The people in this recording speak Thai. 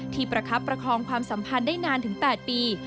ประคับประคองความสัมพันธ์ได้นานถึง๘ปี